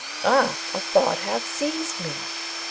Ah, a thought hath seized me!